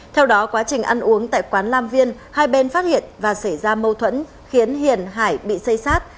theo đó quá trình ăn uống tại quán lam viên hai bên phát hiện và xảy ra mâu thuẫn khiến hiền hải bị xây sát